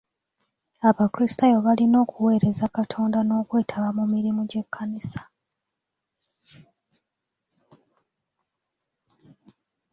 Abakrisitaayo balina okuweereza Katonda n'okwetaba mu mirimu gy'ekkanisa.